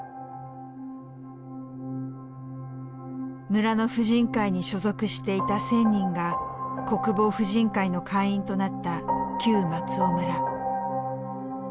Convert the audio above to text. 村の婦人会に所属していた１，０００人が国防婦人会の会員となった旧松尾村。